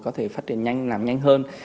có thể phát triển nhanh làm nhanh hơn